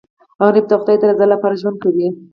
غریب د خدای د رضا لپاره ژوند کوي